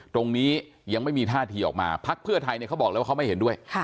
ตรงนี้ยังไม่มีท่าทีออกมาพักเพื่อไทยเขาบอกเลยว่าเขาไม่เห็นด้วย